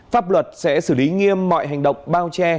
pháp luật sẽ xử lý nghiêm mọi hành động bao che